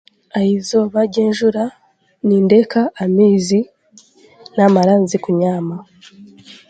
Aha eizooba ry'enjura nindeeka amaizi naamara nze kunyaama